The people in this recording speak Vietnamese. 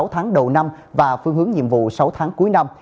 sáu tháng đầu năm và phương hướng nhiệm vụ sáu tháng cuối năm